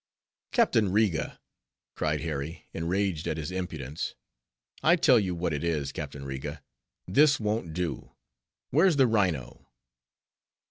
"Captain Riga!" cried Harry, enraged at his impudence—"I tell you what it is, Captain Riga; this won't do—where's the rhino?"